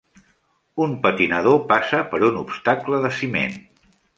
Un patinador passa per un obstacle de ciment.